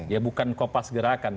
ya bukan kopas gerakan